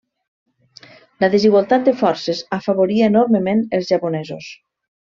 La desigualtat de forces afavoria enormement els japonesos.